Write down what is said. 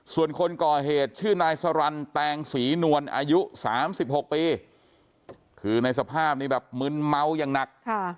ส่วนคนก่อเหตุชื่อนายสรรแตงศรีนวลอายุ๓๖ปีคือในสภาพนี้แบบมึนเมาอย่างหนัก